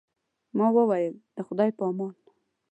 ما وویل، د خدای په امان.